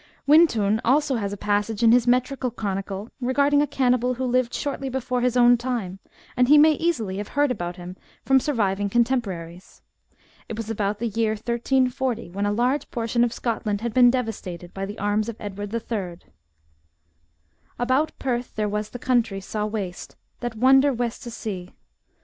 "* Wyntoun also has a passage in his metrical chronicle regarding a cannibal who Hved shortly before his own time, and he may easily have heard about him from surviving contemporaries. It was about the year 1340, when a large portion of Scotland had been devastated by the arms of Edward TTT About Perth thare was the countrie Sae waste, that wonder wes to see ;* Lindsay's Chronicles of Scotlandy 1814, p.